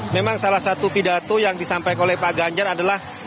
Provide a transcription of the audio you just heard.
memang salah satu pidato yang disampaikan oleh pak ganjar adalah